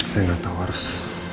saya gak tau harus